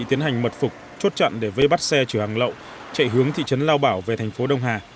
tiến hành mật phục chốt chặn để vây bắt xe chở hàng lậu chạy hướng thị trấn lao bảo về thành phố đông hà